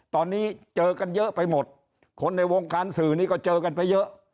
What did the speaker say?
ตอนนี้เจอกันเยอะไปหมดคนในวงการสื่อนี้ก็เจอกันไปเยอะ